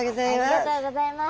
ありがとうございます。